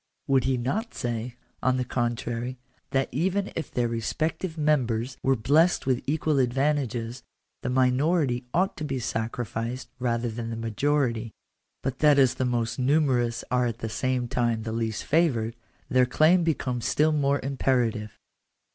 Would he not say, on the contrary, that even if their respective members were blessed with equal ^CJ advantages, the minority ought to be sacrificed rather than the y majority ; but that as the most numerous are at the same time the least favoured, their claim becomes still more imperative.